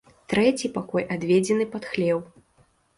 Трэці пакой адведзены пад хлеў.